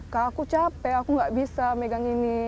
kalau aku capek aku nggak bisa megang ini